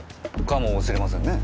かもしれませんね。